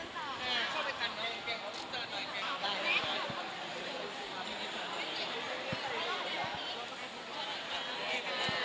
ขอบคุณทุกคนจริงครับผมขอบคุณมาก